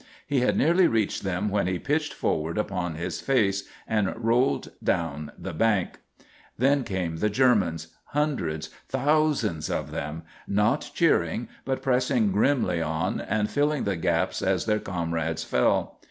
He had nearly reached them when he pitched forward upon his face and rolled down the bank. Then came the Germans hundreds, thousands of them not cheering, but pressing grimly on and filling the gaps as their comrades fell.